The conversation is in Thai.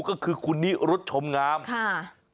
ก็คือคุณนิรุธชมงามค่ะ